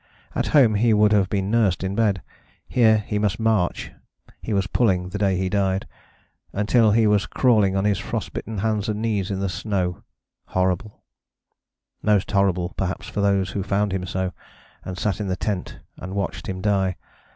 At home he would have been nursed in bed: here he must march (he was pulling the day he died) until he was crawling on his frost bitten hands and knees in the snow horrible: most horrible perhaps for those who found him so, and sat in the tent and watched him die.